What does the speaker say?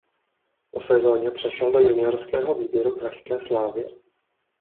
Po sezóně přešel do juniorského výběru pražské Slavie.